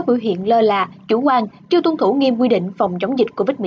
biểu hiện lơ là chủ quan chưa tuân thủ nghiêm quy định phòng chống dịch covid một mươi chín